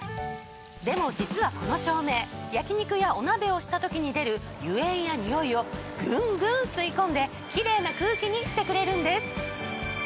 でも実はこの照明焼き肉やお鍋をした時に出る油煙やにおいをグングン吸い込んでキレイな空気にしてくれるんです。